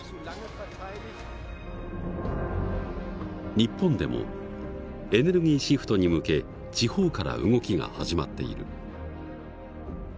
日本でもエネルギーシフトに向け地方から動きが始まっている。